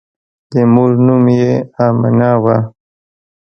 د مور نوم یې آمنه وه.